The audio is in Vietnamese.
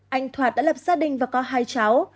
anh thoạt đã lập gia đình và có hai cháu